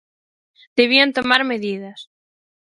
Debían tomar medidas.